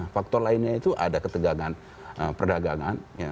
faktor lainnya itu ada ketegangan perdagangan